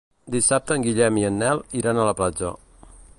Dissabte en Guillem i en Nel iran a la platja.